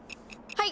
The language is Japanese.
はい！